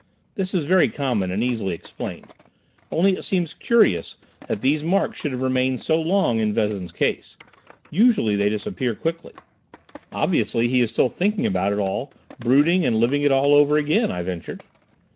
This is very common and easily explained. Only it seems curious that these marks should have remained so long in Vezin's case. Usually they disappear quickly." "Obviously he is still thinking about it all, brooding, and living it all over again," I ventured.